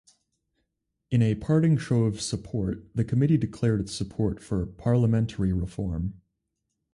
In a parting show of support the Committee declared its support for parliamentary reform.